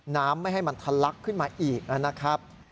ไม่ให้มันทะลักขึ้นมาอีกนะครับ